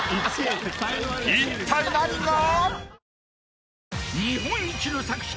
一体何が⁉